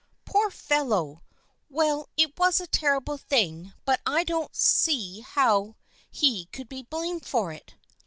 " Poor fellow ! Well, it was a terrible thing, but I don't see how he could be blamed for it."